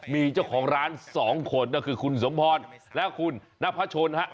มีเจ้าของร้าน๒คนก็คือคุณสมพรและคุณนพชนฮะ